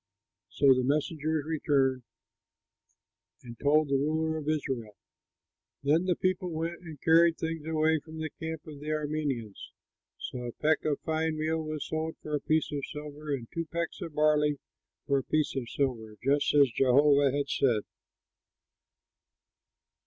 So the messengers returned and told the ruler of Israel. Then the people went and carried things away from the camp of the Arameans. So a peck of fine meal was sold for a piece of silver, and two pecks of barley for a piece of silver, just as Jehovah had said.